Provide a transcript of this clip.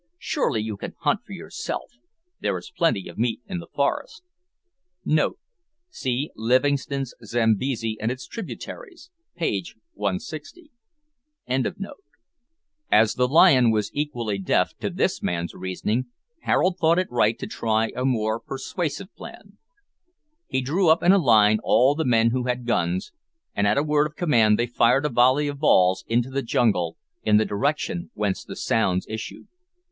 Surely you can hunt for yourself there is plenty of meat in the forest." [See Livingstone's Zambesi and its Tributaries, page 160.] As the lion was equally deaf to this man's reasoning, Harold thought it right to try a more persuasive plan. He drew up in a line all the men who had guns, and at a word of command they fired a volley of balls into the jungle, in the direction whence the sounds issued.